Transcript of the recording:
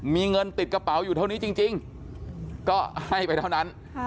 มีเงินติดกระเป๋าอยู่เท่านี้จริงก็ให้ไปเท่านั้น